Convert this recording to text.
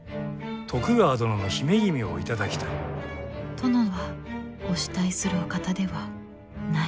殿はお慕いするお方ではない。